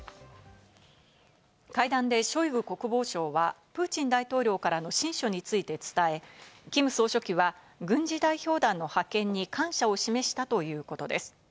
会談でショイグ国防相はプーチン大統領からの親書について伝え、キム総書記は軍事代表団の派遣に感謝を示したということです。